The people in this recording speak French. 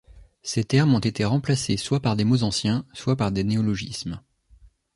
Ces termes ont été remplacés soit par des mots anciens, soit par des néologismes.